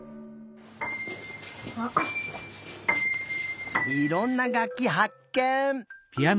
いろんながっきはっけん！